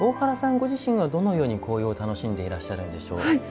ご自身はどのように紅葉を楽しんでいらっしゃるんでしょう。